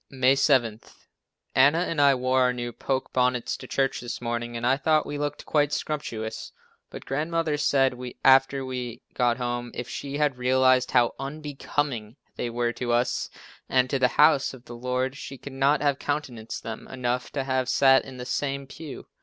May 7. Anna and I wore our new poke bonnets to church this morning and thought we looked quite "scrumptious," but Grandmother said after we got home, if she had realized how unbecoming they were to us and to the house of the Lord, she could not have countenanced them enough to have sat in the same pew.